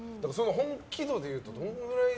本気度でいうと、どのくらいで？